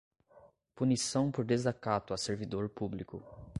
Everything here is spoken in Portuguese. Punição por desacato a servidor público